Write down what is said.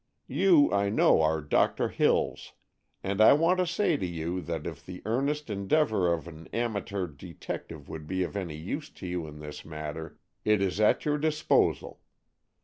You, I know, are Doctor Hills, and I want to say to you that if the earnest endeavor of an amateur detective would be of any use to you in this matter, it is at your disposal.